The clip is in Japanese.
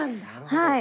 はい。